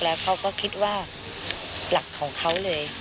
แล้วเขาก็คิดว่าหลักของเขาเลย